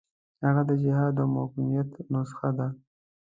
هغه د جهاد او مقاومت نسخه ده.